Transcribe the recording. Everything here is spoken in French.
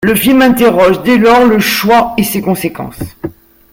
Le film interroge dès lors le choix et ses conséquences.